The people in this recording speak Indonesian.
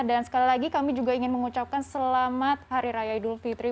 dan sekali lagi kami juga ingin mengucapkan selamat hari raya idul fitri